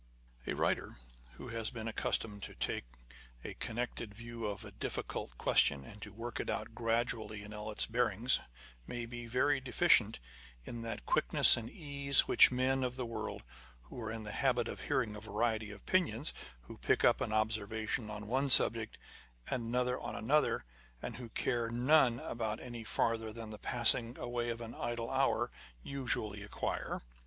A writer who has been accustomed to take a connected view of a difficult question and to work it out gradually in all its bearings, may be very deficient in that quickness and ease which men of the world, who are in the habit of hearing a variety of opinions, who pick up an observation on one subject, and another on another, and who care about none any farther than the passing away of an idle hour, usually acquire.